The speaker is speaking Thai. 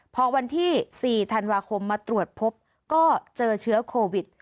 พอวันที่๔ธันวาคมมาตรวจพบก็เจอเชื้อโควิด